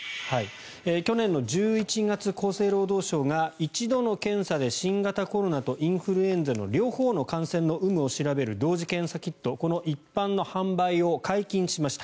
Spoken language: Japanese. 去年１１月、厚生労働省が１度の検査で新型コロナとインフルエンザの両方の感染の有無を調べる同時検査キットこの一般の販売を解禁しました。